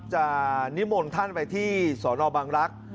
จะนิม่นท่านไปที่สอนอบังรักษ์